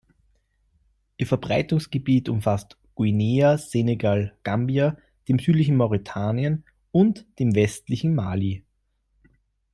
Ihr Verbreitungsgebiet umfasst Guinea, Senegal, Gambia, dem südlichen Mauretanien und dem westlichen Mali.